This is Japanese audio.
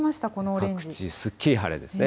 各地、すっきり晴れですね。